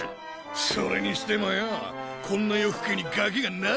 それにしてもよぉこんな夜更けにガキが何やってんだ？